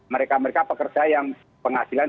mereka mereka pekerja yang penghasilan